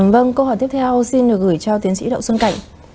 vâng câu hỏi tiếp theo xin được gửi cho tiến sĩ đậu xuân cảnh